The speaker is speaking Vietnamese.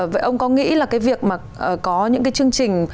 vậy ông có nghĩ là cái việc mà có những cái chương trình